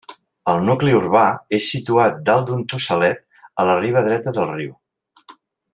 El nucli urbà és situat dalt d'un tossalet a la riba dreta del riu.